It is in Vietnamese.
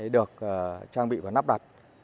được trang bị và nắp đặt